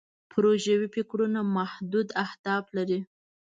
پروژوي فکرونه محدود اهداف لري.